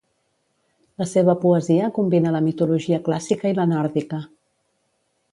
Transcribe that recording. La seva poesia combina la mitologia clàssica i la nòrdica.